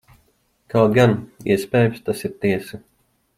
Kaut gan, iespējams, tas ir tiesa.